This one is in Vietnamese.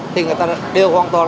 thì người ta đều hoàn toàn